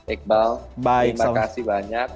iqbal terima kasih banyak